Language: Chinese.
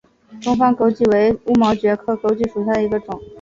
东方狗脊为乌毛蕨科狗脊属下的一个种。